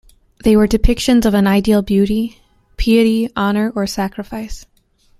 They were depictions of an ideal-beauty, piety, honor or sacrifice.